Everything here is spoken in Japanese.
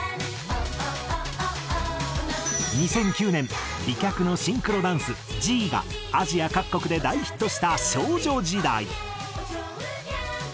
２００９年美脚のシンクロダンス『Ｇｅｅ』がアジア各国で大ヒットした少女時代。